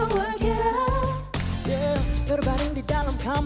menantikan selalu kabar darimu